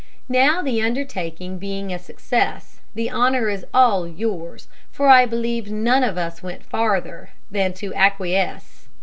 Now, the undertaking being a success, the honor is all yours, for I believe none of us went farther than to acquiesce.